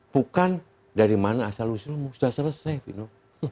bukan dari mana asal usulmu sudah selesai fino